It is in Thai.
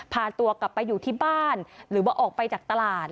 พาตัวกลับไปอยู่ที่บ้านหรือว่าออกไปจากตลาด